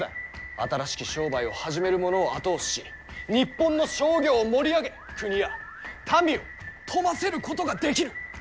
新しき商売を始める者を後押しし、日本の商業を盛り上げ国や民を富ませることができる！